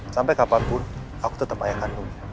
sampai kapanpun aku tetep ayah kandungnya